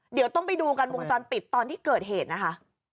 เดี๋ยวต้องไปดูกันวงจรปิดตอนที่เกิดเหตุนะคะ